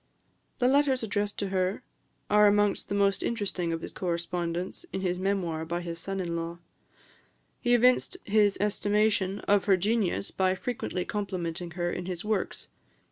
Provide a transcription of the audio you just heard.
The letters addressed to her are amongst the most interesting of his correspondence in his Memoir by his son in law. He evinced his estimation of her genius by frequently complimenting her in his works.